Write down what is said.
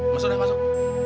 masuk dah masuk